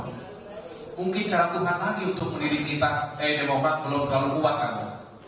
mungkin cara tuhan lagi untuk mendidik kita eh demokrat belum terlalu kuat kamu